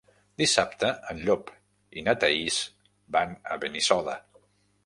Dissabte en Llop i na Thaís van a Benissoda.